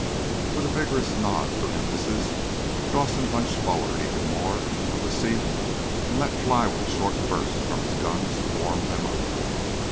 With a vigorous nod for emphasis, Dawson hunched forward even more on the seat and let fly with a short burst from his guns to warm them up.